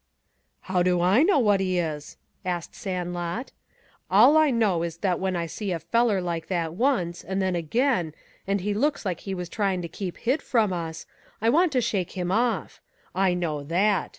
"How do I know what he is?" asked Sandlot. "All I know is that when I see a feller like that once, and then again, and he looks like he was tryin' to keep hid from us, I want to shake him off. I know that.